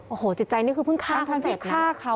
โอ้โหใจนี่คือเพิ่งฆ่าเขาแล้วนะคะ